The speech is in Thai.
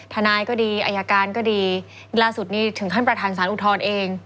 ทนายก็ดีอายการก็ดีล่าสุดนี้ถึงขั้นประธานสารอุทธรณ์เอง